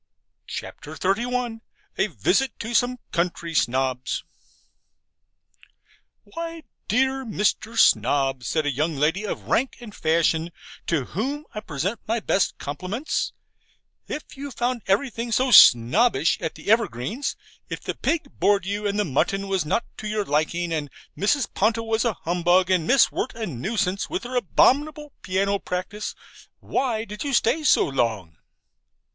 CHAPTER XXXI A VISIT TO SOME COUNTRY SNOBS 'Why, dear Mr. Snob,' said a young lady of rank and fashion (to whom I present my best compliments), 'if you found everything so SNOBBISH at the Evergreens, if the pig bored you and the mutton was not to your liking, and Mrs. Ponto was a humbug, and Miss Wirt a nuisance, with her abominable piano practice, why did you stay so long?'